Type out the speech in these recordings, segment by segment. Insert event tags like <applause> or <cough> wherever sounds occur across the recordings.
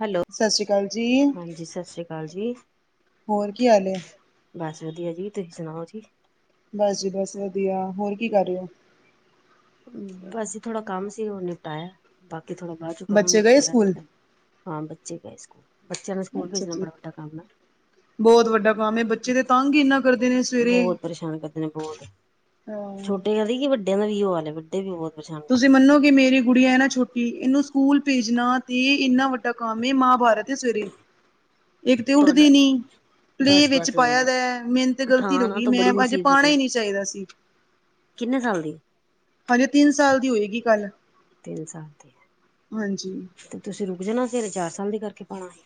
Hello ਸਤਿ ਸ੍ਰੀ ਅਕਾਲ ਜੀ, ਹਾਂਜੀ ਸਸ੍ਰੀ ਕਾਲ ਜੀ। ਹੋਰ ਕੀ ਹਾਲ ਏ? ਬਸ ਵਧੀਆ ਜੀ, ਤੁਸੀਂ ਸੁਣਾਓ ਜੀ? ਬਸ ਜੀ ਬਸ ਵਧੀਆ, ਹੋਰ ਕੀ ਕਰ ਰਏ ਹੋ? ਬਸ ਜੀ ਥੋੜਾ ਕੰਮ ਸੀ ਉਹ ਨਿਪਟਾਏਆ ਏ, ਬਾਕੀ ਥੋੜਾ ਬਾਅਦ ਚੋਂ ਬੱਚੇ ਕਰਾਂਗੇ ਗਏ ਥੋੜਾ ਰੈਸਟ ਸਕੂਲ? ਕਰ ਹਾਂ ਬੱਚੇ ਗਏ ਸਕੂਲ, ਬੱਚੇਆਂ ਨੂੰ ਸਕੂਲ ਭੇਜਣਾ ਬੜਾ ਵੱਡਾ ਕੰਮ ਹੈ। ਬੋਹਤ ਵੱਡਾ ਕੰਮ ਏ ਬੱਚੇ ਦੇ ਤੰਗ ਹੀ ਇਨਾ ਕਰਦੇ ਨੇ ਸਵੇਰੇ। ਪਰਸ਼ਾਨ ਕਰਦੇ ਨੇ ਬੋਹਤ। ਆ ਵੱਡਿਆਂ ਦਾ ਵੀ ਇਹੋ ਹਾਲ ਏ, ਵੱਡੇ ਵੀ ਬਹੁਤ ਪਰੇਸ਼ਾਨ ਹੁੰਦੇ। ਕਿ ਮੇਰੀ ਗੁੜੀਆ ਇਹ ਨਾ ਛੋਟੀ, ਇਹਨੂੰ ਸਕੂਲ ਭੇਜਣਾ ਤੇ ਇੰਨਾ ਵੱਡਾ ਕੰਮ ਏ ਮਹਾਭਾਰਤ ਏ, ਸਵੇਰੇ। ਇੱਕ ਤੇ ਤੁਹਾਡਾ ਉੱਠਦੀ ਨੀ। ਪਲੇਅ ਬਸ ਵਿੱਚ ਬਸ ਪਾਇਆ ਦਾ ਐ, ਮੈਨੂੰ ਤੇ ਗਲਤੀ ਉਠਾਣਾ ਲੱਗੀ ਤਾਂ ਮੈਂ ਬੜੀ ਅਜੇ ਮੁਸੀਬਤ ਪਾਣਾ ਹੈ ਹੀ ਨਹੀਂ ਚਾਹੀਦਾ ਸੀ। ਕਿੰਨੇ ਸਾਲ ਦੀ? ਹਜੇ ਤਿੰਨ ਸਾਲ ਦੀ ਹੋਏਗੀ ਕੱਲ। ਤਿੰਨ ਸਾਲ ਦੀ। ਹਾਂਜੀ। ਤੇ ਤੁਸੀਂ ਰੁਕ ਜਾਣਾ ਸੀ, ਹਰੇ ਚਾਰ ਸਾਲ ਦੀ ਕਰਕੇ ਪਾਣਾ ਸੀ।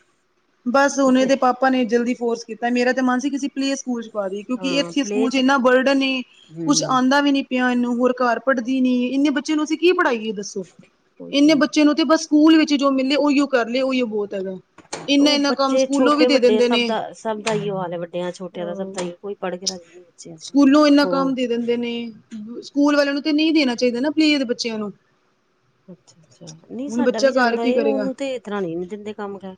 ਬਸ ਹੁਨ ਇਹਦੇ ਪਾਪਾ ਨੇ ਜਲਦੀ ਫੋਰਸ ਕੀਤਾ, ਮੇਰਾ ਤੇ ਮਨ ਸੀ ਕਿਸੇ ਪਲੇਅ ਸਕੂਲ'ਚ ਪਾਦੀਏ, ਕਿਉਂਕਿ ਹਾਂ ਇੱਥੇ ਪਲੇ ਸਕੂਲ'ਚ ਚ ਇੰਨਾ ਬਰਡਨ ਏ, ਕੁਛ ਹਮ ਆਂਦਾ ਵੀ ਨਹੀਂ ਪਿਆ ਇੰਨੂ ਹੋਰ ਘਰ ਪੜ੍ਹਦੀ ਨੀ, ਇੰਨੇ ਬੱਚੇ ਨੂੰ ਅਸੀਂ ਕੀ ਪੜ੍ਹਾਈਏ ਦੱਸੋ, ਉਹੀ ਤਾਂ ਇੰਨੇ ਹੈ ਬੱਚੇ ਨੂੰ ਤੇ ਬਸ ਸਕੂਲ ਵਿੱਚ ਜੋ ਮਿਲੇ, ਉਹੀਓ ਕਰਲੇ, ਉਹੀਓ ਬਹੁਤ ਹੈਗਾ। ਇੰਨਾ ਓ ਇੰਨਾ ਕੰਮ ਬੱਚੇ ਸਕੂਲੋਂ ਵੀ ਦੇ ਛੋਟੇ-ਵੱਡੇ ਦਿੰਦੇ ਸਭ ਨੇ ਦਾ, ਸਭ ਦਾ ਏਈਓ ਹਾਲ ਏ, ਵੱਡਿਆਂ-ਛੋਟਿਆਂ ਦਾ ਸਭਦਾ ਅ ਈ ਕੋਈ ਪੜ੍ਹਕੇ ਰਾ ਅਛਾ ਸਕੂਲੋਂ, ਇੰਨਾ ਕੰਮ ਦੇ ਦਿੰਦੇ ਨੇ, ਸਕੂਲ ਵਾਲਿਆਂ ਨੂੰ ਤੇ ਨਹੀਂ ਦੇਣਾ ਚਾਹੀਦਾ ਨਾ ਪਲੇ ਦੇ ਬੱਚਿਆਂ ਨੂੰ। ਅੱਛਾ-ਅੱਛਾ, ਨਹੀਂ ਹੁਣ ਸਾਡਾ ਬੱਚਾ ਵੀ ਘਰ ਜਾਂਦਾ ਕੀ ਏ, ਕਰੇਗਾ ਉਹਨੂੰ ਤੇ ਇਸ ਤਰ੍ਹਾਂ ਨ ਨੀ ਦਿੰਦੇ ਕੰਮ ਕੈ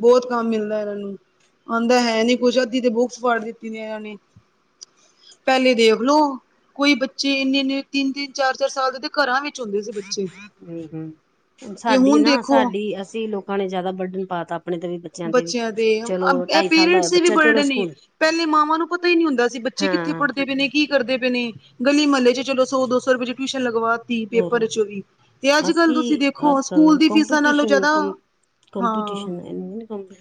ਬਹੁਤ ਕੰਮ ਮਿਲਦਾ ਇਹਨਾਂ ਨੂੰ, ਆਂਦਾ ਹੈ ਨੀ ਕੁਛ ਅੱਧੀ ਤੇ ਬੁੱਕਸ ਪਾੜ ਦਿੱਤੀਆਂ ਇਹਨਾਂ ਨੇ। ਪਹਿਲੇ ਦੇਖਲੋ, ਕੋਈ ਬੱਚੇ ਇੰਨੇ-ਇੰਨੇ, ਤਿੰਨ-ਤਿੰਨ, ਚਾਰ-ਚਾਰ ਸਾਲ ਦੇ ਘਰਾਂ ਵਿੱਚ ਹੁੰਦੇ ਸੀ। ਬੱਚੇ ਹੂੰ, ਹੂੰ, ਤੇ ਸਾਡੀ ਹੁਣ ਨਾ ਦੇਖੋ ਸਾਡੀ ਅਸੀਂ ਲੋਕ ਖਾਣੇ ਜ਼ਿਆਦਾ ਬਰਡਨ ਪਾਤਾ, ਆਪਣੇ ਤੇ ਵੀ। ਤੇ ਵੀ ਬੱਚਿਆਂ ਦੇ, ਚਲੋ ਇਹ ਢਾਈ ਸਾਲ ਦਾ ਹੋਇਆ ਪੀਰੀਏਡਸ ਦੇ ਵੀ ਬੱਚਾ ਬਰਡ ਚਲੋ ਏ। ਸਕੂਲ ਪਹਿਲੇ ਮਾਵਾਂ ਨੂੰ ਪਤਾ ਹੀ ਨਹੀਂ ਹੁੰਦਾ ਸੀ, ਬੱਚੇ ਕਿੱਥੇ ਹਾਂ ਪੜ੍ਹਦੇ ਪਏ ਨੇ, ਕਿ ਕਰਦੇ ਪਏ ਨੇ, ਗਲੀ ਮਹੱਲੇ ਚਲੋ ਸੋ-ਦੋ ਸੌ ਰੁਪਏ'ਚ ਟਿਊਸ਼ਨ ਲਗਵਾ ਹੋਰ ਪੇਪਰ'ਚੋਂ ਵੀ, ਤੇ ਅੱਜ-ਕੱਲ ਅਸੀਂ ਤੁਸੀਂ ਅੱਜ ਦੇਖੋ, ਸਕੂਲ ਕੱਲ ਦੀ ਫੀਸਾਂ ਨਾਲੋਂ ਕੰਪੀਟੀਸ਼ਨ ਜ਼ਿਆਦਾ ਕੰ ਹਾਂ ਕੰਪੀਟੀਸ਼ਨ, ਇਹਨਾ ਕੰਪੀ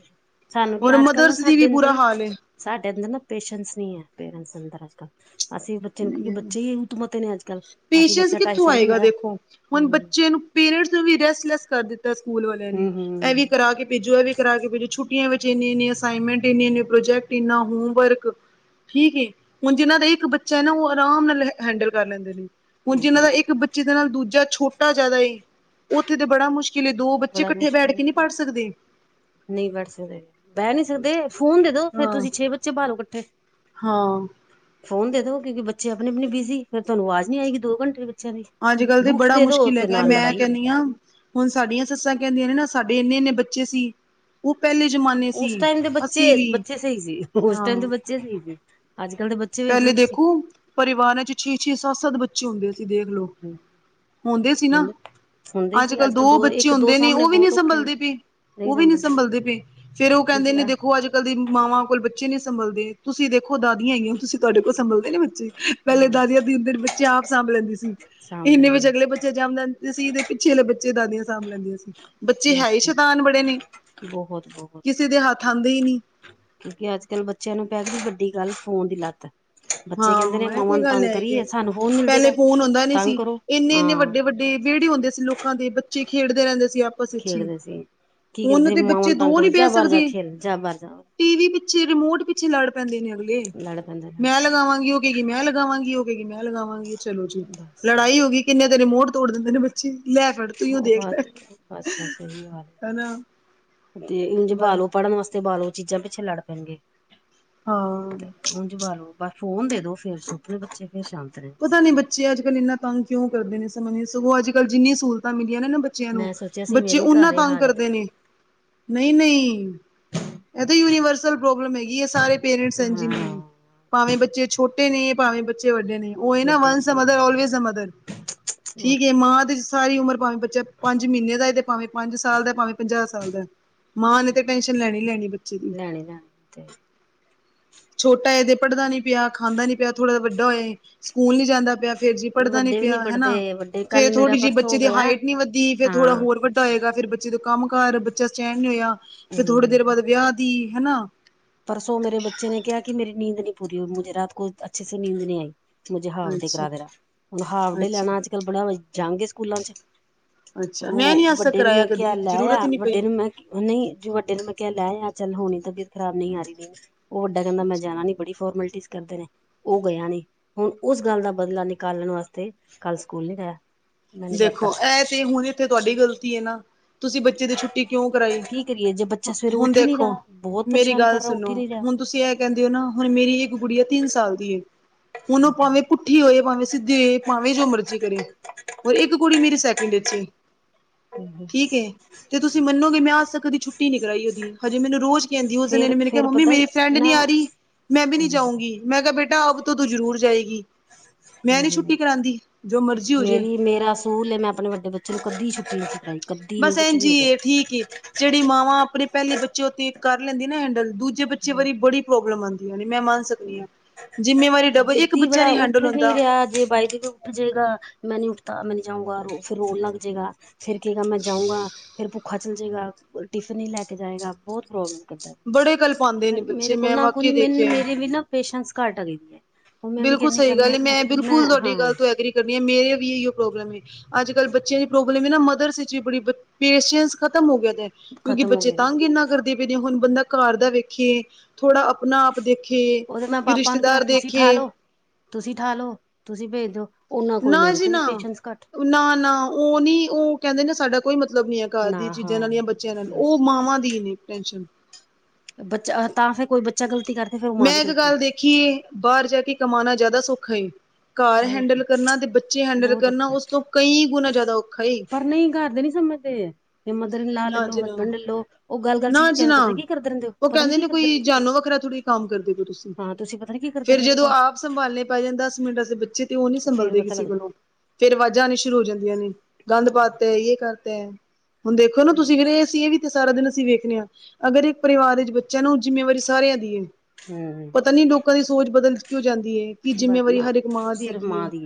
ਸਾਨੂੰ ਕਿ, ਔਰ ਅੱਜ-ਕੱਲ ਨਾ ਮਦਰਸ ਦੀ ਸਾਡੇ ਅੰਦਰ ਬੁਰਾ ਵੀ ਹਾਲ ਸਾਡੇ ਅੰਦਰ ਨਾ ਪੇਸ਼ੈਂਸ ਨਹੀਂ ਆ, ਪੇਰੈਂਟਸ ਅੰਦਰ ਅੱਜ-ਕੱਲ। ਅਸੀਂ ਬੱਚੇ ਨੂੰ, ਕਿਉਂਕਿ ਹੈ ਬੱਚੇ ਹੀ ਹਤਮਤੇ ਨੇ ਅੱਜ-ਕੱਲ, ਅਸੀਂ ਬੱਚਾ ਢਾਈ ਕਿਥੋਂ ਸਾਲ ਦਾ ਆਏਗਾ ਹੁੰਦਾ ਦੇਖੋ, ਹੁਣ ਹੂੰ ਬੱਚੇ ਨੂੰ ਪੇਰੈਂਟਸ ਨੂੰ ਵੀ ਰੈਸਟਲੈਸ ਕਰ ਦਿੱਤਾ ਸਕੂਲ ਵਾਲਿਆਂ ਹੂੰ ਨੇ, ਹੂੰ ਇਹ ਵੀ ਕਰਾਕੇ ਭੇਜੋ, ਏ ਵੀ ਕਰਾਕੇ ਭੇਜੋ, ਛੁੱਟੀਆਂ ਵਿੱਚ ਇੰਨੀ-ਇੰਨੇ ਅਸਾਇਨਮੈਂਟ ਇੰਨੇ- ਇੰਨੇ ਪ੍ਰੋਜੈਕਟ, ਇੰਨਾ ਹੋਮ ਵਰਕ। ਠੀਕ ਏ, ਹੁਣ ਜਿਨਾਂ ਦਾ ਇੱਕ ਬੱਚਾ ਏ ਨਾ, ਉਹ ਅਰਾਮ ਨਾਲ ਹੈਂਡਲ ਕਰ ਲੈਂਦੇ ਨੇ, ਹੁਣ ਜਿਹਨਾਂ ਦਾ ਇੱਕ ਬੱਚੇ ਦੇ ਨਾਲ ਦੂਜਾ ਛੋਟਾ ਜਿਆਦਾ ਏ, ਉੱਥੇ ਤੇ ਬੜਾ ਮੁਸ਼ਕਿਲ ਕਿਲੇ, ਦੋ ਬੱਚੇ ਬੜਾ ਇਕੱਠੇ ਬੈਠ ਮੁਸ਼ਕਿਲ ਕੇ ਨਹੀਂ ਹੁੰਦਾ ਪੜ ਸਕਦੇ। ਨਹੀਂ ਬੈਠ ਸਕਦੇ, ਬਹਿ ਨਹੀਂ ਸਕਦੇ, ਫੋਨ ਦੇ ੋ ਫੇਰ ਹਾਂ ਤੁਸੀਂ ਛੇ ਬੱਚੇ ਪਾਲੋ, ਇਕੱਠੇ। ਹਾਂ ਫੋਨ ਦੇਦੋ, ਕਿਉਂਕਿ ਬੱਚੇ ਆਪਣੇ-ਅਪਣੇ ਬਿਜ਼ੀ, ਫਿਰ ਤੁਹਾਨੂੰ ਆਵਾਜ਼ ਨੀ ਆਏਗੀ ਦੋ ਘੰਟੇ ਬੱਚਿਆਂ ਦੀ। ਅੱਜ-ਕੱਲ ਤੇ ਬੁੱਕਸ ਬੜਾ ਦੇ ਦੋ ਮੁਸ਼ਕਿਲ ਤੇ ਹੈਗਾ, ਨਾਲ ਮੈਂ ਲੜਾਈ ਹੈ ਕਹਿੰਦੀ ਆ ਹੁਣ ਸਾਡੀਆਂ ਸੱਸਾਂ ਕਹਿੰਦੀਆਂ ਨੇ ਨਾ, ਸਾਡੇ ਇੰਨੇ-ਇੰਨੇ ਬੱਚੇ ਸੀ। ਉਹ ਪਹਿਲੇ ਜਮਾਨੇ ਉਸ ਟਾਈਮ ਦੇ ਬੱਚੇ, ਬੱਚੇ ਸਹੀ ਸੀ, ਉਸ ਟਾਈਮ ਦੇ ਹਾਂ ਬੱਚੇ ਸਹੀ ਸੀ, ਅੱਜ-ਕੱਲ ਦੇ ਬ ਪਹਿਲੇ ਦੇਖੋ, ਪਰਿਵਾਰਾਂ'ਚ ਛੇ-ਛੇ, ਸੱਤ-ਸੱਤ ਬੱਚੇ ਹੁੰਦੇ ਸੀ, ਦੇਖਲੋ। ਹੂੰ ਹੁੰਦੇ ਸੀ ਨਾ, ਅੱਜ- ਕੱਲ ਦੋ ਬੱਚੇ ਇੱਕ ਦੋ ਹੁੰਦੇ ਨੇ, ਸਾਹਮਣੇ ਉਹ ਵੀ ਨੀ ਬਹੁਤ ਔਖੇ ਨੇ ਸੰਭਲਦੇ ਪਏ ਨਹੀਂ ਉਹ ਵੀ ਨੀ ਸੰਭਲਦਾ ਨਹੀਂ ਸੰਭਲਦੇ ਪਏ, ਫਿਰ ਉਹ ਕਹਿੰਦੇ ਕਿਉਂਕਿ ਨੇ ਆ ਦੇਖੋ ਅੱਜ ਅੱਜ-ਕੱਲ ਦੀ ਮਾਂਵਾ ਕੋਲ ਬੱਚੇ ਨੀ ਸੰਭਲਦੇ, ਤੁਸੀਂ ਦੇਖੋ ਦਾਦੀਆਂ ਹੈਗੀਆਂ ਤੁਸੀਂ ਤੁਹਾਡੇ ਕੋਲ ਸੰਭਲਦੇ ਨੇ ਬੱਚੇ ਪਹਿਲੇ ਹਾਂ ਦਾਦੀਆਂ ਤਿੰਨ -ਤਿੰਨ ਬੱਚੇ ਆਪ ਸਾਂਭ ਲੈਂਦੀ ਸੀ, ਸਾਂਭ ਇੰਨੇ ਲੈਂਦੇ ਵਿੱਚ ਅਗਲੇ ਬੱਚੇ ਜੰਮ ਲੈਣ ਸੀ ਇਹਦੇ ਪਿੱਛੇ ਵਾਲੇ ਬੱਚੇ ਦਾਦੀਆਂ ਸਾਂਭ ਲੈਂਦੀਆਂ ਸੀ ਬੱਚੇ ਹੈ ਬਸ ਹੀ ਸ਼ੈਤਾਨ ਬੜੇ ਨੇ, ਬਹੁਤ ਬਹੁਤ ਕਿਸੇ ਦੇ ਹੱਥ ਆਂਦੇ ਹੀ ਨਹੀਂ ਕਿਉਂਕਿ ਅੱਜ -ਕੱਲ ਬੱਚਿਆਂ ਨੂੰ ਪੈ ਗਈ ਵੱਡੀ ਗੱਲ ਫ਼ੋਨ ਦੀ ਲੱਤ ਬੱਚੇ ਕਹਿੰਦੇ ਨੇ ਹਾਂ ਇਹ ਮਾਵਾਂ ਤੇ ਨੂੰ ਗੱਲ ਤੰਗ ਹੈ ਹੀ ਏ, ਕਰੀਏ ਸਾਨੂੰ ਫੋਨ ਮਿਲ ਪਹਿਲੇ ਜਾਏਗਾ ਫ਼ੋਨ ਹੁੰਦਾ ਨੀ ਤੰਗ ਸੀ, ਕਰੋ ਇੰਨੇ- ਇੰਨੇ, ਹਾਂ ਵੱਡੇ- ਵੱਡੇ ਤੇ ਵਿਹੜੇ ਹੁੰਦੇ ਸੀ ਲੋਕਾਂ ਦੇ, ਬੱਚੇ ਖੇਡਦੇ ਰਹਿੰਦੇ ਸੀ ਆਪ ਬਸ ਅੱਛੀ, ਖੇਡਦੇ ਸੀ ਕੀ ਹੁਣ ਕਰਦੇ ਦੇ ਮਾਵਾਂ ਬੱਚੇ ਨੂੰ ਤੰਗ ਦੋ ਨੀ ਕਰਦੇ ਜਾ ਬਹਿ ਬਾਹਰ ਜਾ ਸਕਦੇ ਖੇਲ ਜਾ ਬਾਹਰ ਜਾ ਟੀ ਵੀ ਪਿੱਛੇ, ਰਿਮੋਟ ਪਿੱਛੇ ਲੜ ਪੈਂਦੇ ਨੇ ਅਗਲੇ, ਲੜ ਪੈਂਦੇ ਨੇ ਮੈਂ ਲ ਉਹਗੀ ਮੈਂ ਲਗਾਵਾਂਗੀ ਉਹ ਕੇਹੇਗੀ ਮੈਂ ਲਗਾਵਾਂਗੀ ਚਲੋ ਜੀ ਬਸ ਲੜਾਈ ਹੋ ਗਈ ਕਿੰਨੇ ਤੇਰੇ ਮੋੜ ਤੋੜ ਦੇਂਦੇ ਨੇ ਬੱਚੇ ਲੈ ਫੜ ਓ ਤੂੰ ਦੇਖ ਲੈ ਹਥ ਬਸ ਬਸ ਇਹੀ ਹਾਲ ਹਨਾ। ਹੈ ਤੇ ਇੰਝ ਬਸ ਪਾਲੋ ਪੜ੍ਹਨ ਵਾਸਤੇ ਪਾਲੋ ਚੀਜ਼ਾਂ ਪਿੱਛੇ ਲੜ ਪੈਣਗੇ ਹਾਂ ਇੰਜ ਪਾਲੋ ਬਸ ਫੋਨ ਦੇ ਦੋ ਫੇਰ ਛੋਟੇ ਬੱਚੇ ਫੇਰ ਸ਼ਾਂਤ ਨੇ ਬਸ ਪਤਾ ਨੀ ਬੱਚੇ ਅੱਜ- ਕੱਲ ਇੰਨਾ ਤੰਗ ਕਿਉਂ ਕਰਦੇ ਨੇ ਸਮਝ ਸਗੋਂ ਅੱਜ- ਕੱਲ ਜਿੰਨੀਆਂ ਸਹੂਲਤਾਂ ਮਿਲੀਆਂ ਨੇ ਬ ਬੱਚਿਆਂ ਨੂੰ ਮੈਂ ਸੋਚਿਆ ਸੀ ਬੱਚੇ ਮੇਰੇ ਹੀ ੳਨਾ ਘਰ ਇਹ ਤੰਗ ਹਾਲ ਹੈ। ਕਰਦੇ ਨੇ, ਨਹੀਂ- ਨਹੀਂ ਇਹ ਤਾਂ ਯੂਨੀਵਰਸਲ ਪ੍ਰੋਬਲਮ ਹੈਗੀ ਆ ਸਾਰੇ ਪੇਰੈਂਟਸ ਐੰਜੀ ਹਾਂ ਨੇ- ਭਾਵੇਂ ਬੱਚੇ ਛੋਟੇ ਨੇ ਭਾਵੇਂ ਬੱਚੇ ਵੱਡੇ ਨੇ ਉਹ ਹੈ ਨਾ ਵੱਡੇ ਵੰਸ ਦਾ ਨੇ ਮਦਰ ਅਲਵੇਜ਼ਦਾ ਮਦਰ ਹੋਰ ਠੀਕ ਹੈ ਮਾਂ ਤੇ ਸਾਰੀ ਉਮਰ ਭਾਵੇਂ ਬੱਚਾ ਪੰਜ ਮਹੀਨੇ ਦਾ ਤੇ ਭਾਵੇਂ ਪੰਜ ਸਾਲ ਦਾ ਭਾਵੇਂ ਪੰਜਾਹ ਸਾਲ ਦਾ ਮਾਂ ਨੇ ਟੈੈਂਸ਼ਨ ਲੈਣੀ ਲੈਣੀ ਬੱਚੇ ਦੀ ਲੈਣੇ ਲੈਣੀ ਤੇ ਛੋਟਾ ਏ ਤੇ ਪੜ੍ਹਦਾ ਨਹੀਂ ਪਿਆ ਖਾਂਦਾ ਨੀ ਪਿਆ ਥੋੜਾ ਜਿਹਾ ਵੱਡਾ ਹੋਏ ਸਕੂਲ ਨਹੀਂ ਜਾਂਦਾ ਪਿਆ ਫ਼ੇਰ ਜੀ ਪੜ੍ਹਦਾ ਨੀ ਵੱਡੇ ਵੀ ਪਿਆ ਹੈਨਾ, ਪੜ੍ਹਦੇ ਵੱਡੇ ਫੇਰ ਕੱਲ ਮੇਰਾ ਥੋੜੀ ਜਿਹੀ ਪਰਸੋਂ ਬੱਚੇ ਦੀ ਗਿਆ ਹਾਈਟ ਨੀ ਵਧਦੀ ਫਿਰ ਥੋੜਾ ਹਾਂ ਹੋਰ ਵੱਡਾ ਹੋਏਗਾ ਫੇਰ ਜਦੋਂ ਕੰਮ ਕਾਰ ਬੱਚਾ ਸਟੈਂਣ ਨੀ ਹੋਇਆ, ਫਿਰ ਥੋੜੀ ਹਮ ਦੇਰ ਬਾਅਦ ਵਿਆਹ ਦੀ, ਹਨਾ ਪਰਸੋਂ ਮੇਰੇ ਬੱਚੇ ਨੇ ਕਿਹਾ ਕਿ ਮੇਰੀ ਨੀਂਦ ਨਹੀਂ ਪੂਰੀ ਹੋਈ, ਮੁਝੇ ਰਾਤ ਕੋ ਅੱਛੇ ਸੇ ਨੀਂਦ ਨਹੀਂ ਆਈ ਮੁਝੇ ਹਾਫ ਡੇ ਅੱਛਾ ਕਰਾ ਦੇਣਾ ਹੁਣ ਹਾਫ ਡੇ ਅੱਛਾ ਲੈਣਾ ਅੱਜ-ਕੱਲ ਬੜਾ ਜੰਗ ਏ ਸਕੂਲਾਂ 'ਚ ਅੱਛਾ ਮੈਂ ਉਹ ਨੀ ਅੱਜ ਤੱਕ ਵੱਡੇ ਨੂੰ ਕਰਾਇਆ ਮੈਂ ਕਿਹਾ ਕਦੀ ਲੈ ਜ਼ਰੂਰਤ ਆ, ਹੀ ਨੀ ਵੱਡੇ ਪਈ ਨੂੰ ਨਹੀਂ ਜੋ ਵੱਡੇ ਨੂੰ ਮੈਂ ਕਿਹਾ ਲੈ ਆ ਚੱਲ ਹੋਣੀ ਤਬੀਅਤ ਖਰਾਬ ਨਹੀਂ ਆ ਰਹੀ ਉਹ ਵਡਾ ਕਹਿੰਦਾ ਮੈਂ ਜਾਣਾ ਨੀ ਬੜੀ ਫਾਰਮੈਲਟੀ ਕਰਦੇ ਨੇ, ਉਹ ਗਿਆ ਨੀ ਹੁਣ ਉਸ ਗੱਲ ਦਾ ਬਦਲਾ ਨਿਕਾਲਣ ਵਾਸਤੇ ਕੱਲ ਸਕੂਲ ਨੀ ਗਿਆ ਮੈਂ ਨੀ ਜਾਤਾ ਦੇਖੋ ਐਹ ਤੇ ਹੁਣ ਇੱਥੇ ਤੁਹਾਡੀ ਗ਼ਲਤੀ ਹੈ ਨਾ ਤੁਸੀਂ ਬੱਚੇ ਦੀ ਛੁੱਟੀ ਕਿਉਂ ਕਰਾਈ, ਕੀ ਕਰੀਏ ਜੇ ਬੱਚਾ ਸਵੇਰੇ ਹੁਣ ਉੱਠ ਹੀ ਨਹੀਂ ਰਿਹਾ ਦੇਖੋ ਬਹੁਤ ਮੇਰੀ ਪਰੇਸ਼ਾਨ ਗੱਲ ਕਰ ਰਿਹਾ ਉੱਠ ਸੁਣੋ ਹੀ ਨਹੀਂ ਰਿਹਾ ਹੁਣ ਤੁਸੀਂ ਐਹ ਕਹਿੰਦੇ ਹੋ ਨਾ ਹੁਣ ਮੇਰੀ ਇੱਕ ਗੁੜੀਆ ਤਿੰਨ ਸਾਲ ਦੀ ਏ ਉਹਨੂੰ ਭਾਵੇਂ ਕੁ ਪੁਠੀ ਹੋਏ ਭਾਵੇਂ ਸਿੱਧੀ ਹੋਏ ਭਾਵੇਂ ਜੋ ਮਰਜ਼ੀ ਕਰੇ ਔਰ ਇੱਕ ਕੁੜੀ ਮੇਰੀ ਸੈਕਿੰਡ ਵਿਚ ਏ ਹਾਂਜੀ ਜੇ ਤੁਸੀਂ ਮੰਨੋਗੇ ਮੈ ਅਜ ਤਕ ਕਦੀ ਛੁੱਟੀ ਨੀ ਕਰਾਈ ਉਹਦੀ ਹਜੇ ਮੈਨੂੰ ਰੋਜ ਕਹਿੰਦੀ ਉਸ ਦਿਨ ਫੇਰ ਨੇ ਮੈਨੂੰ ਕਿਹਾ ਫੇਰ ਮੰਮੀ ਪਤਾ ਮੇਰੇ ਫਰੈਂਡ ਨੀ ਨਾ ਆ ਰਹੀ ਮੈਂ ਵੀ ਨਹੀਂ ਜਾਊਗੀ ਮੈਂ ਕਿਹਾ ਬੇਟਾ ਅਬ ਤੋਂ--ਤੂੰ ਜ਼ਰੂਰ ਜਾਏਗੀ ਮੈਂ ਨੀ ਛੁੱਟੀ ਹੂੰ ਕਰਾਉਂਦੀ ਜੋ ਮਰਜ਼ੀ ਹੋਜੇ ਸਕੂਲ ਮੈਂ ਆਪਣੇ ਵੱਡੇ ਬੱਚੇ ਨੂੰ ਕਦੀ ਛੁੱਟੀ ਨਹੀਂ ਕਰਾਈ ਕਦੀ ਨੀ ਬਸ ਕੁਛ ਇੰਜ ਵੀ ਹੋ ਜਾਏ ਠੀਕ ਈ ਜੇੜੀ ਮਾਵਾਂ ਆਪਣੇ ਪੈਲੇ ਬੱਚੇ ਓ ਤੇ ਕਰ ਲੈਂਦੀ ਐ ਨਾ ਹੈਂਡਲ ਦੂਜੇ ਬੱਚੇ ਵਾਰੀ ਬੜੀ ਪ੍ਰੋਬਲਮ ਆਂਦੀ ਮੈਂ ਮੰਨ ਸਕਦੀ ਆਂ, ਜਿੰਮੇਵਾਰੀ ਡਬਲ ਇੱਕ ਬੱਚਾ ਨੀ ਹੈਂਡਲ ਹੁੰਦਾ। ਹਾਂਜੀ ਬਾਈ ਜੀ ਨੂੰ। ਉਠ ਜੇਗਾ ਮੈਂ ਨੀ ਉੱਠਦਾ ਮੈ ਨੀ ਜਾਊਂਗਾ ਰੋ ਫਿਰ ਰੋਣ ਲੱਗ ਜੇਗਾ ਫੇਰ ਕੇਗਾ ਮੈਂ ਜਾਊਂਗਾ ਫੇਰ ਭੁੱਖਾ ਚੱਲ ਜੇਗਾ ਟਿਫਨ ਨੀ ਲੈ ਕੇ ਜਾਏਗਾ ਬੋਤ ਪ੍ਰੋਬਲਮ ਬੜੇ ਗੱਲ ਪਾਂਦੇ ਨੇ ਫੇਰ ਮੇਰੇ ਬੱਚੇ ਕੋਲ ਮੈਂ ਨਾ ਕੁ ਵਾਕਿਆ ਦੇਖਿਆ ਮੈਨੂੰ ਏ। ਮੇਰੀ ਵੀ ਨਾ ਪੇਸ਼ੈਂਸ ਘਾਟ ਆ ਗੀ। ਬਿਲਕੁਲ ਸਈ ਗੱਲ ਐ ਮੈਂ ਬਿਲਕੁਲ ਤੁਆਡੀ ਹਾਂ ਗੱਲ ਤੋਂ ਐਗਰੀ ਕਰਨੀ ਆ ਮੇਰੇ ਵੀ ਏਈਓ ਪ੍ਰੋਬਲਮ ਏ ਅੱਜ ਕੱਲ ਬੱਚੇਆਂ ਦੀ ਪ੍ਰੋਬਲਮ ਐ ਨਾ ਮਦਰਸ ਵਿੱਚ ਵੀ ਬੜੀ ਪੇਸ਼ੈਂਸ ਖਤਮ ਹੋ ਗਿਆ ਦੈ ਕਿਉਂਕਿ ਖਤਮ ਹੋ ਬੱਚੇ ਗਏ ਨੇ ਤੰਗ ਏਨਾ ਕਰਦੇ ਪਏ ਨੇ ਹੁਣ ਬੰਦਾ ਘਰ ਦਾ ਵੇਖੇ ਥੋੜਾ ਅ ਅਪਨਾ ਆਪ ਦੇਖੇ, ਉਹਦੇ ਮੈਂ ਕੇ ਪਾਪਾ ਨੂੰ ਕਿਹਾ ਰਿਸ਼ਤੇਦਾਰ ਦੇ ਤੁਸੀਂ ਠਾ ਲੋ, ਤੁਸੀਂ ਠਾ ਲੋ, ਤੁਸੀਂ ਭੇਜ ਦਿਓ, ਓਨਾਂ ਕੋਲ ਨਾ ਮੇਰੇ ਜੀ ਤੋਂ ਵੀ ਨਾ ਪੇਸ਼ੈਂਸ ਘ ਨਾ ਨਾ ਓ ਨੀ ਓ ਕੈਂਦੇ ਨੇ ਸਾਡਾ ਕੋਈ ਮਤਲਬ ਨੀ ਹੈ ਘਰ ਦੀਆਂ ਚੀਜਾਂ ਨਾ ਯਾ ਬ ਚੀਜਾਂ ਨਾਲ ਓ ਬਸ ਮਾਵਾਂ ਦੀ ਨੇ ਟੈਂਸ਼ਨ ਬੱਚਾ ਤਾਂ ਫਿਰ ਕੋਈ ਬੱਚਾ ਗਲਤੀ ਕਰ ਮੈਂ ਇੱਕ ਗੱਲ ਦੇਖੀਏ ਬਾਰ ਜਾ ਕੇ ਕਮਾਣਾ ਜ਼ਾਦਾ ਸੋਖਾ ਏ। ਘਰ ਹੈਂਡਲ ਕਰਨਾ ਤੇ ਬੱਚੇ ਹੈਂਡਲ ਬਹੁਤ ਕਰਨਾ ਔਖਾ ਓਸ ਤੋਂ ਕਈ ਗੁਣਾ ਜਾਦਾ ਔਖਾ ਏ। ਪਰ ਨਹੀਂ ਘਰ ਦੇ ਨੀ ਸਮਝਦੇ ਮਦਰ ਇਨ ਲਾ ਲੈ, ਨਾ ਲੋ ਜੀ ਨਾ ਹਸਬੈਂਡ ਲੈ ਲੋ, ਓ ਗੱਲ-ਗੱਲ ਚ ਨਾ ਈ ਜੀ ਕੈਂਦੇ ਨਾ ਪਤਾ ਕੀ ਕਰਦੇ ਰੈਂਦੇ ਓ, ਪਤਾ ਨੀ ਕੀ ਕਰਦੇ ਰੈਂਦੇ ਓ ਤੁਸੀਂ। ਏਡਾ ਥੋੜੀ ਕੰਮ ਕਰਦੇ ਪਏ ਓ ਤੁਸੀਂ, ਹਾਂ ਪਤਾ ਨੀ ਕੀ ਕਰਦੇ ਫੇਰ ਰਹਿੰਦੇ ਜਦੋਂ ਹੋ ਆਪ ਘਰ ਸੰਭਾਲਣੇ ਪੈ ਜਾਣ ਦਸ ਮਿੰਟ ਆਸਤੇ ਬੱਚੇ ਤੇ ਓ ਨੀ ਫੇਰ ਸੰਭਲਦੇ ਪਤਾ ਕਿਸੀ ਲੱਗਦਾ ਕੋਲੋਂ, ਫੇਰ ਆਵਾਜ਼ਾਂ ਆਣੀ ਸ਼ੁਰੂ ਹੋ ਜਾਂਦੀਆਂ ਨੇ ਗੰਦ ਪਾ ਤਾ ਏ ਯੇ ਕਰਤਾ ਏ। ਹੁਣ ਦੇਖੋ ਨਾ ਤੁਸੀਂ ਫੇਰ ਏਸੀ ਏ ਵੀ ਤੇ ਸਾਰਾ ਦਿਨ ਅਸੀਂ ਵੇਖਨੇ ਆਂ ਅਗਰ ਇੱਕ ਪਰਿਵਾਰ ਦੇ ਵਿੱਚ ਬੱਚਾ ਨਾ ਓ ਜਿੰਮੇਵਾਰੀ ਸਾਰੇਆਂ ਦੀ ਏ। ਹੂੰ। ਪਤਾ ਨੀ ਲੋਕਾਂ ਦੀ ਸੋਚ ਬਦਲ ਕਿਉਂ ਜਾਂਦੀ ਏ ਕਿ ਬਟ ਜਿੰਮੇਵਾਰੀ ਨਾ ਹਰ ਇੱਕ ਮਾਂ ਦੀ ਸਿਰਫ ਹੈਗੀ ਏ। ਮਾਂ ਦੀ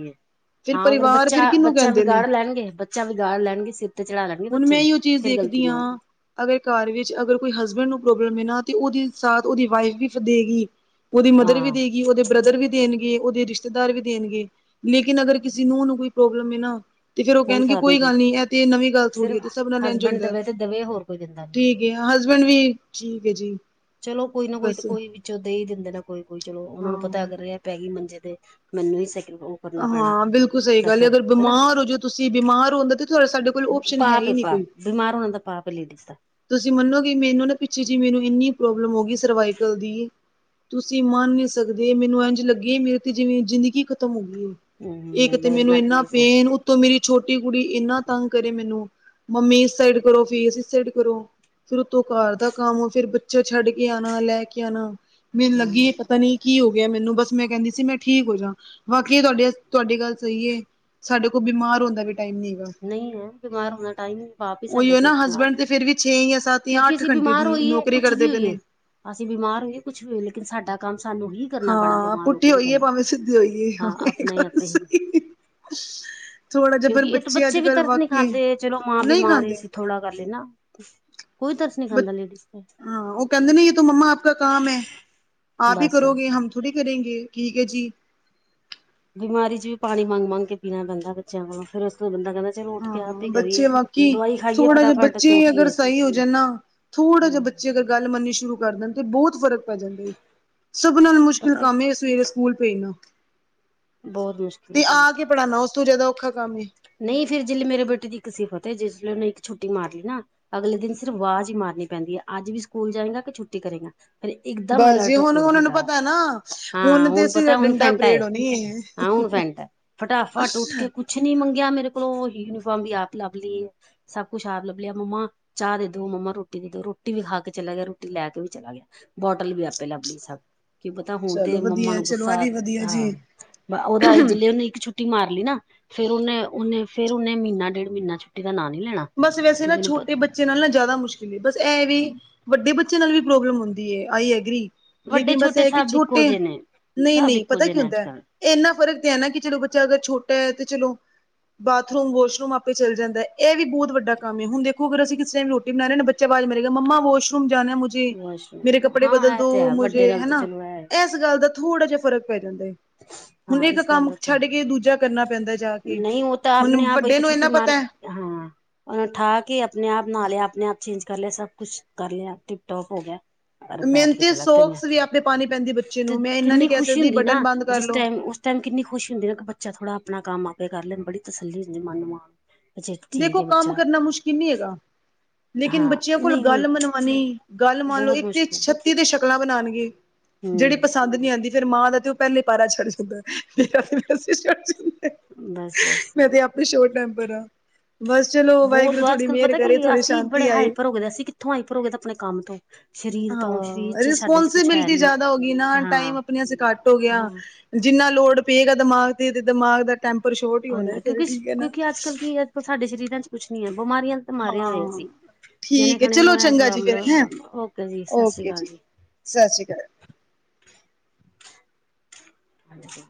ਹਾਂ ਅਗਰ ਬੱਚਾ, ਬੱਚਾ ਵਿਗਾੜ ਲੈਣਗੇ, ਬੱਚਾ ਵਿਗਾੜ ਲੈਣਗੇ, ਸਿਰ ਤੇ ਚੜਾ ਲੈਣਗੇ ਹੁਣ ਬੱਚੇ ਮੈਂ ਨੂੰ ਏਈ ਓ ਚੀਜ਼ ਫੇਰ ਗਲਤੀ ਦੇਖਦੀ ਆਂ ਮਾਂ ਦੀ ਅਗਰ ਇੱਕ ਘਰ ਵਿੱਚ ਅਗਰ ਕੋਈ ਹਸਬੈਂਡ ਨੂੰ ਪ੍ਰੋਬਲਮ ਏ ਨਾ ਤੇ ਓਦੀ ਸਾਥ ਓਦੀ ਵਾਈਫ ਵੀ ਫੇਰ ਦੇਗੀ। ਓਦੀ ਮਦਰ ਵੀ ਹਾਂ ਦੇਗੀ, ਓਦੇ ਬ੍ਰਦਰ ਵੀ ਦੇਣਗ ਗੇ ਓਦੇ ਰਿਸ਼ਤੇਦਾਰ ਵੀ ਦੇਣਗੇ, ਲੇਕਿਨ ਅਗਰ ਕਿਸੇ ਨੂੰਹ ਨੂੰ ਕੋਈ ਪ੍ਰੋਬਲਮ ਏ ਨਾ ਤੇ ਫੇਰ ਓ ਕੈਣਗੇ ਕੋਈ ਗੱਲ ਨੀ ਏ ਤੇ ਏ ਨਵੀਂ ਗੱਲ ਥੋੜੀ ਐ ਸਿਰਫ ਤੇ ਸਬ ਨਾਲ ਏਂਜ ਹਸਬੈਂਡ ਹੁੰਦਾ, ਦਵੇ ਤੇ ਦਵੇ ਹੋਰ ਕੋਈ ਦਿੰਦਾ ਨੀ ਠੀਕ ਏ ਹਸਬੈਂਡ ਵੀ, ਠੀਕ ਐ ਜੀ। ਚਲੋ ਕੋਈ ਨਾ ਕੋਈ ਤੇ ਬਸ ਕੋਈ ਵਿੱਚੋਂ ਦੇ ਈ ਦਿੰਦੇ ਨੇ ਕੋਈ-ਕੋਈ ਚਲੋ ਓਨਾ ਨੂੰ ਪਤਾ ਏ ਹਾਂ ਕਰ ਰਿਆ। ਪੈ ਗਈ ਮੰਜੇ ਤੇ ਮੈਨੂੰ ਈ <unintelligible> ਓ ਹਾਂ ਬਿਲਕੁਲ ਸਈ ਗੱਲ ਐ ਅਗਰ ਬਿਮਾਰ ਹੋ ਜੋ ਤੁਸੀਂ ਬਿਮਾਰ ਹੁੰਦਾ ਤੇ ਤੁਆਡਾ ਸਾਡੇ ਕੋ ਕੋਲ ਓਪਸ਼ਨ ਹੈ ਪਾਪ ਏ ਈ ਨੀ ਪਾਪ ਕੋਈ। ਬਿਮਾਰ ਹੋਣਾ ਤਾ ਪਾਪ ਐ ਲੇਡੀਜ਼ ਦਾ। ਤੁਸੀਂ ਮੰਨੋਗੇ ਮੈਨੂੰ ਨਾ ਪਿੱਛੇ ਜੇ ਮੈਨੂੰ ਇੰਨੀ ਪ੍ਰੋਬਲਮ ਹੋ ਗਈ ਸਰਵਾਈਕਲ ਦੀ। ਤੁਸੀਂ ਮੰਨ ਨੀ ਸਕਦੇ ਮੈਨੂੰ ਏਂਜ ਲੱਗੇ ਮੇਰੇ ਤੇ ਜਿਵੇਂ ਜ਼ਿੰਦਗੀ ਖਤਮ ਹੋ ਗੀ ਏ। ਹੂੰ ਇਕ ਤੇ ਮੇਰੇ ਮੈਨੂੰ ਨਾਲ ਵੀ ਇੰਨਾ ਇਹ ਪ੍ਰੋਬਲਮ, ਪੇਨ ਉ ਤੋਂ ਮੇਰੀ ਛੋਟੀ ਕੁੜੀ ਇੰਨਾ ਤੰਗ ਕਰੇ ਮੈਨੂੰ ਮੰਮੀ ਇਸ ਸਾਈਡ ਕਰੋ ਫੇਸ ਇਸ ਸਾਈਡ ਕਰੋ। ਫੇਰ ਉੱਤੋਂ ਘਰ ਦਾ ਕੰਮ ਫੇਰ ਬੱਚਾ ਛੱਡ ਕੇ ਆਣਾ, ਲੈ ਕੇ ਆਣਾ। ਮੈਨੂੰ ਲੱਗੀ ਹਾਂ ਏ ਪਤਾ ਨਈਂ ਕੀ ਹੋ ਗਿਆ ਮੈਨੂੰ ਬਸ ਮੈਂ ਕੈਂਦੀ ਸੀ ਮੈਂ ਠੀਕ ਹੋ ਜਾ। ਬਾਕੀ ਏ ਤੁਆਡੇ ਤੁਆਡੀ ਗੱਲ ਸਈ ਏ ਸਾਡੇ ਕੋਲ ਬਿਮਾਰ ਹੋਣ ਦਾ ਵੀ ਟਾਈਮ ਨੀ ਹੈਗਾ। ਨਈਂ ਐ ਬਿਮਾਰ ਹੋਣ ਦਾ ਟਾਈਮ ਈ ਨੀ ਪਾਪ ਈ ਸਾਡੇ ਉਹੀਓ ਸਿਰ ਨਾ ਬਿਮਾਰ ਹਸਬੈਂਡ ਹੋਣਾ। ਤੇ ਫਿਰ ਵੀ ਛੇ ਜਾਂ ਸੱਤ ਜਾਂ ਕਿਉਂਕਿ ਅੱਠ ਅਸੀਂ ਘੰਟੇ ਬਿਮਾਰ ਦੀ ਹੋਈਏ ਨੌਕਰੀ ਕੁੱਛ ਕਰਦੇ ਵੀ ਪਏ ਹੋਈਏ। ਨੇ। ਅਸੀਂ ਬਿਮਾਰ ਹੋਈਏ ਕੁਛ ਵੀ ਹੋਈਏ ਲੇਕਿਨ ਸਾਡਾ ਕੰਮ ਸਾਨੂੰ ਹੀ ਕਰਨਾ ਪੈਣਾ ਹਾਂ ਬਿਮਾਰ ਹੋ ਪੁੱਠੀ ਕੇ ਵੀ ਹੋਈਏ ਕਰਨਾ ਭਾਵੇਂ ਸਿੱਧੀ ਹੋਈਏ ਹਾਂ ਵੇ ਆਪਣੇ ਗੱਲ ਆਪੇ ਹੀ ਸਈ ਥੋੜਾ ਜਾ ਫੇਰ ਕਿਉਂਕਿ ਇਹ ਤਾਂ ਬੱਚੇ ਅੱਜ ਵੀ ਕੱਲ ਤਰਸ ਨੀ ਵਾਕਈ ਖਾਂਦੇ ਚਲੋ ਮਾਂ ਨਹੀਂ ਬਿਮਾਰ ਏ ਖਾਂਦੇ ਅਸੀਂ ਥੋੜਾ ਕਰ ਲੇਨਾ। ਬੱ ਹਾਂ ਓ ਕੈਂਦੇ ਨੇ ਯੇ ਤੋ ਮੰਮਾ ਆਪ ਕਾ ਕਾਮ ਐ, ਆਪ ਈ ਬਸ ਕਰੋਗੇ ਹਮ ਥੋੜੀ ਕਰੇਂਗੇ ਠੀਕ ਐ ਜੀ। ਬਿਮਾਰੀ ਚ ਵੀ ਪਾਨੀ ਮੰਗ-ਮੰਗ ਕੇ ਪੀਨਾ ਪੈਂਦਾ ਬੱਚੇਆਂ ਕੋਲੋਂ ਫੇਰ ਉਸ ਨੂੰ ਬੰਦਾ ਕੈਂਦਾ ਹਾਂ ਬੱਚੇ ਬਾਕੀ ਥੋੜਾ ਜਾ ਫਟਾਫਟ ਬੱਚੇ ਤੇ ਅਗਰ ਉੱਠੀਏ ਸਈ ਹੋ ਜਾ ਨਾ, ਥੋੜਾ ਜਾ ਬੱਚੇ ਅਗਰ ਗੱਲ ਮੰਨਨੀ ਸ਼ੁਰੂ ਕਰ ਦੇਨ ਤੇ ਬੋਤ ਫ਼ਰਕ ਪੈ ਜਾਂਦਾ ਏ, ਸਭ ਨਾਲੋਂ ਮੁਸ਼ਕਿਲ ਪਤਾ ਕੰਮ ਏ ਸਵੇਰੇ ਸਕੂਲ ਭੇਜਨਾ, ਬਹੁਤ ਮੁਸ਼ਕਿਲ ਹੈ ਤੇ ਆ ਕੇ ਪੜਾਨਾ ਉਸ ਤੋਂ ਜ਼ਾਦਾ ਔਖਾ ਕੰਮ ਏ। ਨਈਂ ਫੇਰ ਜਿਲੇ ਮੇਰੇ ਬੇਟੇ ਦੀ ਇੱਕ ਸਿਫਤ ਐ ਜਿਸ ਦਿਨ ਓਨੇ ਇੱਕ ਛੁੱਟੀ ਮਾਰ ਲੀ ਨਾ ਅਗਲੇ ਦਿਨ ਸਿਰਫ ਵਾਜ਼ ਈ ਮਾਰਨੀ ਪੈਂਦੀ ਐ ਅੱਜ ਵੀ ਸਕੂਲ ਜਾਏਂਗਾ ਕੇ ਛੁੱਟੀ ਕਰੇਂਗਾ। ਫੇਰ ਇੱਕਦਮ ਬਸ ਜੀ ਅਲਰਟ ਹੋ ਕੇ ਹੁਣ ਉੱਠ ਉਹਨਾਂ ਨੂੰ ਜੇਗਾ ਪਤਾ ਨਾ ਹਾਂ ਹੁਣ ਤੇ ਹੁਨ ਅਸੀਂ ਪਤੈ ਹੁਨ ਡੰਡਾ ਫੈਂਟਾ ਐ। ਪਰੇਡ ਹੋਣੀ ਹੈ ਹਾਂ ਹੁਨ ਫੈਂਟਾ, ਫਟਾਫਟ ਉੱਠ ਕੇ ਕੁਛ ਨੀ ਮੰਗੇਆ ਮੇਰੇ ਕੋਲੋਂ ਓ ਯੂਨੀਫਾਰਮ ਵੀ ਆਪ ਲੱਭ ਲਈਏ। ਸਬ ਕੁੱਛ ਆਪ ਲੱਭ ਲਿਆ ਮੰਮਾ ਚਾਹ ਦੇ ਦੋ ਮੰਮਾ ਰੋਟੀ ਦੇ ਦੋ ਰੋਟੀ ਵੀ ਖਾ ਕੇ ਚਲਾ ਗਿਆ ਰੋਟੀ ਲੈ ਕੇ ਵੀ ਚਲਾ ਗਿਆ। ਬੋਟਲ ਵੀ ਆਪੇ ਲੱਭ ਲਈ ਸਾ, ਕੀ ਪਤਾ ਹੁਨ ਚਲੋ ਤੇ ਮੰਮਾ ਵਧੀਆ ਨੂੰ ਚਲੋ ਇਹ ਗੁੱਸਾ ਵੀ ਵਧੀਆ ਹਾਂ। ਜੀ। ਓਦਾ ਈਜ਼ਲੀ ਓਨੇ ਇੱਕ ਛੁੱਟੀ ਮਾਰ ਲਈ ਨਾ, ਫੇਰ ਓਨੇ-ਓਨੇ ਫੇਰ ਓਨੇ ਮੀਨਾ ਡੇਢ ਮੀਨਾ ਛੁੱਟੀ ਦਾ ਨਾਂ ਨਈ ਲੈਨਾ। ਬਸ ਵੈਸੇ ਨਾ ਛੋਟੇ ਬੱਚ ਬੱਚੇ ਨਾਲ ਨਾ ਜ਼ਾਦਾ ਮੁਸ਼ਕਿਲ ਏ ਬਸ ਐ ਵੀ ਵੱਡੇ ਬੱਚੇ ਨਾਲ ਵੀ ਪ੍ਰੋਬਲਮ ਹੁੰਦੀ ਐ ਆਈ ਐਗਰੀ। ਵੱਡੇ ਲੇਕਿਨ ਬਸ ਛੋਟੇ ਐ ਕੇ ਸਭ ਇੱਕੋ ਛੋਟੇ, ਜਿਹੇ ਨੇ ਸਭ ਨਈਂ-ਨਈਂ ਇੱਕੋ ਪਤਾ ਜਿਹੇ ਕੀ ਨੇ ਅੱਜ ਹੁੰਦਾ ਕੱਲ ਏਨਾ ਫਰਕ ਤੇ ਐ ਨਾ ਕੇ ਚਲੋ ਬੱਚਾ ਅਗਰ ਛੋਟਾ ਐ ਤੇ ਚਲੋ ਬਾਥਰੂਮ, ਵੋਸ਼ਰੂਮ ਆਪੇ ਚੱਲ ਜਾਂਦਾ ਏ ਵੀ ਬੋਤ ਵੱਡਾ ਕੰਮ ਏ ਹੁਨ ਦੇਖੋ ਅਗਰ ਅਸੀ ਕਿਸ ਟੈਮ ਰੋਟੀ ਬਨਾ ਰਏ ਆਂ ਨਾ ਬੱਚਾ ਵਾਜ਼ ਮਾਰੇਗਾ ਮੰਮਾ ਵੋਸ਼ਰੂਮ ਜਾਨਾ ਮੁ ਜੇ ਵਾਸ਼ਰੂਮ ਮੇਰੇ ਜਾਣਾ ਕੱਪੜੇ ਬਦਲ ਹਾਂ ਇਹ ਦੋ ਤੇ ਹੈ ਵੱਡੇ ਮੁਜੇ ਨਾਲ ਤਾਂ ਹਨਾ, ਚਲੋ ਹੈ ਏਸ ਗੱਲ ਦਾ ਥੋੜਾ ਜਾ ਫਰਕ ਪੈ ਜਾਂਦਾ ਏ, ਹੁਨ ਹਾਂ ਇੱਕ ਇਸ ਗੱਲ ਕੰਮ ਦਾ ਤੇ ਹੈ ਛੱਡ ਕੇ ਦੂਜਾ ਕਰਨਾ ਪੈਂਦਾ ਜਾ ਕੇ, ਨਹੀਂ ਉਹ ਤਾਂ ਹੁਨ ਆਪਣੇ ਵੱਡੇ ਨੂੰ ਐਨਾ ਪਤਾ ਓਨੂੰ ਠਾਕੇ ਆਪਨੇ ਆਪ ਨਾ ਲੇਆ ਆਪਨੇ ਆਪ ਚੇਂਜ ਕਰ ਲੇਆ ਸਭ ਕੁਛ ਕਰ ਲੇਆ ਟਿਪ ਟੌਪ ਹੋ ਗੇਆ। ਔਰ ਬੈਠ ਕੇ ਮਿਹਨਤੀ ਚਲਾਤੇ ਮੈਂ, ਸੋਕਸ ਵੀ ਆਪੇ ਪਾਣੀ ਪੈਂਦੀ ਬੱਚੇ ਤੇ ਨੂੰ ਮੈਂ ਇੰਨਾ ਨੀ ਕਿੰਨੀ ਕਹਿ ਖੁਸ਼ੀ ਸਕਦੀ ਹੁੰਦੀ ਬਟਨ ਨਾ ਬੰਦ ਕਰ ਜਿਸ ਲੋ ਟੈਮ ਉਸ ਟਾਈਮ ਕਿੰਨੀ ਖੁਸ਼ੀ ਹੁੰਦੀ ਐ ਇਕ ਬੱਚਾ ਥੋੜਾ ਆਪਨਾ ਕੰਮ ਆਪੇ ਕਰ ਲੈਨ ਬੜੀ ਤਸੱਲੀ ਹੁੰਦੀ ਐ ਮਨ ਨੂੰ, ਮਾਂ ਨੂੰ। ਦੇਖੋ ਕੰਮ ਕਰਨਾ ਮੁਸ਼ਕਿਲ ਨੀ ਹੈਗਾ। ਲੇਕਿਨ ਹਾਂ ਬੱਚਿਆਂ ਕੋਲੋ ਨਹੀਂ ਹੁਣ ਗੱਲ ਮਨਵਾਨੀ, ਗੱਲ ਮੰਨ ਲੋ ਬਹੁਤ ਇੱਕ ਤੇ ਇੱਕ ਮੁਸ਼ਕਿਲ ਛੱਤੀ ਤੇ ਛੱ ਕਲਾਂ ਬਨਾਨਗੇ, ਜੇੜੀ ਪਸੰਦ ਨੀ ਹੂੰ ਆਂਦੀ। ਫੇਰ ਮਾਂ ਦਾ ਤੇ ਓ ਪੈਲੇ ਪੈਰਾ ਛੱਡ ਜਾਂਦਾ ਏ, ਫੇਰ <unintelligible> ਬਸ-ਬਸ। ਬਈ ਸ਼ੋਟ ਟੈਂਪਰ ਆਂ। ਬਸ ਚਲੋ ਬਹੁਤ ਵਾਹਿਗੁਰੂ ਅੱਜ ਥੋੜੀ ਕੱਲ੍ਹ ਮਿਹਰ ਪਤਾ ਕਿ ਕਰੇ ਥੋੜੀ ਅਸੀਂ ਸ਼ਾਂਤੀ ਬੜੇ ਆਏ। ਹਾਈਪਰ ਹੋ ਗਏ ਦੇ, ਅਸੀਂ ਕਿੱਥੋਂ ਹਾਈਪਰ ਹੋ ਗਏ ਦੇ ਆਪਣੇ ਕੰਮ ਤੋਂ ਸਰੀਰ ਤੋਂ ਸਰੀਰ ਹਾਂ, ਚ ਸਾਡੇ ਚ ਕੁਛ ਹੈ ਰਿਸਪੋਂਸੀਬਿਲਟੀ ਨੀ ਜਾਦਾ ਹੋ ਗਈ ਨਾ ਹਾਂ ਟਾਈਮ ਆਪਨੇ ਵਾਸਤੇ ਘੱਟ ਹੋ ਹਾਂ ਗੇਆ। ਜਿੰਨਾ ਲੋਡ ਪਏਗਾ ਦਮਾਗ ਤੇ-ਤੇ ਦਮਾਗ ਦਾ ਟੈਂਪਰ ਸ਼ੋਟ ਈ ਹੋਨਾ ਏ ਫੇਰ ਠੀਕ ਐ ਨਾ। ਹੁਨ ਸਾਡੇ ਸਰੀਰਾਂ ਚ ਕੁੱਛ ਨੀ ਐ ਬਮਾਰੀਆਂ ਦੇ ਤਾਂ ਮਾਰੇ ਹੋਏ ਆਂ ਹਾਂ ਅਸੀ। ਠੀਕ ਐ ਚਲੋ ਚੰਗਾ ਜੀ, ਫਿਰ ਹੈਂ ਓਕੇ ਓਕੇ ਜੀ ਸਸ ਰੀ ਕਾਲ। ਹਾਂਜੀ